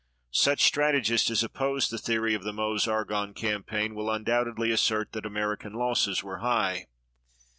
Such strategists as oppose the theory of the Meuse Argonne campaign will undoubtedly assert that American losses were high.